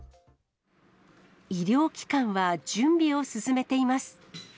医療機関は準備を進めています。